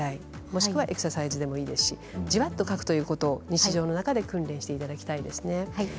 もしくはエクササイズでもいいです、じわっとかくことに日常の中で訓練していただきたいですね。